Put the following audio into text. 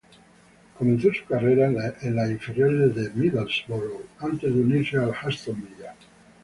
Comenzó su carrera en las inferiores del Middlesbrough antes de unirse al Aston Villa.